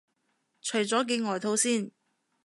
除咗件外套先